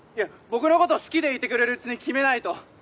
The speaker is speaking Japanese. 僕のこと好きでいてくれるうちに決めないと。